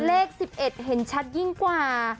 เลข๑๑เห็นชัดยิ่งกว่า